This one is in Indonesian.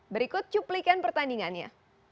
berikut cuplikan pertandingannya